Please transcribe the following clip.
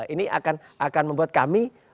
ini akan membuat kami